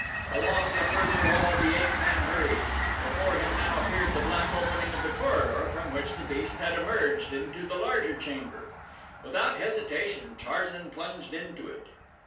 Along the further wall the ape man hurried. Before him now appeared the black opening of the corridor from which the beast had emerged into the larger chamber. Without hesitation Tarzan plunged into it.